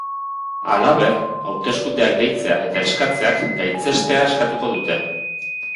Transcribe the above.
Halaber, hauteskundeak deitzea eta eskatzeak gaitzestea eskatuko dute.